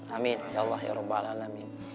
amin ya allah ya robbal alamin